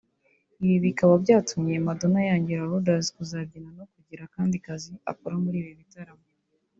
Ibi bikaba byatumye Madonna yangira Lourdes kuzabyina no kugira akandi kazi akora muri ibi bitaramo